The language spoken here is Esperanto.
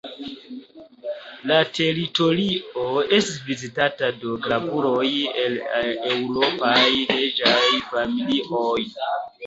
La teritorio estis vizitata de gravuloj el eŭropaj reĝaj familioj.